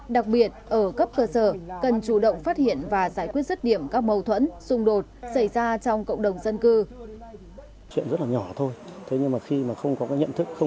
đặc biệt ở cấp cơ sở cần chủ động phát hiện và giải quyết rứt điểm các mâu thuẫn xung đột xảy ra trong cộng đồng dân cư